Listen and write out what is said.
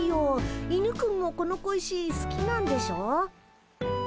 犬くんもこの小石好きなんでしょ？